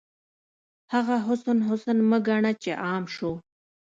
هغه حسن، حسن مه ګڼه چې عام شو